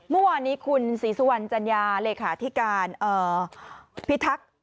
เมื่อวานนี้คุณศรีสุวรรณจัญญาเลขาธิการพิทักษ์